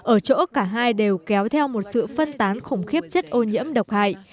ở chỗ cả hai đều kéo theo một sự phân tán khủng khiếp chất ô nhiễm độc hại